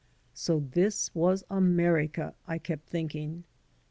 So this was America, I kept thinking.